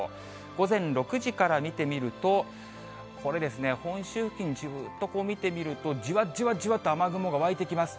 午前６時から見てみると、これですね、本州付近、じーっと見てみると、じわじわじわと雨雲が湧いてきます。